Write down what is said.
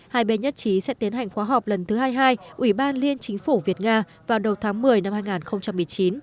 hai bên nhất trí sẽ tiến hành khóa họp lần thứ hai mươi hai ủy ban liên chính phủ việt nga vào đầu tháng một mươi năm hai nghìn một mươi chín